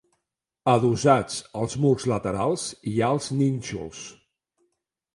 Adossats als murs laterals hi ha els nínxols.